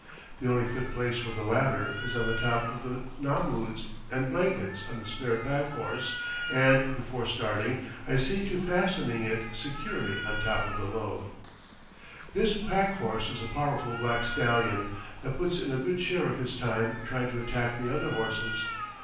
The only fit place for the latter is on the top of the nummuds and blankets on the spare pack horse, and, before starting, I see to fastening it securely on top of the load. This pack horse is a powerful black stallion that puts in a good share of his time trying to attack the other horses.